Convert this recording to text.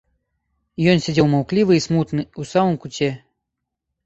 Ён сядзеў маўклівы і смутны, у самым куце.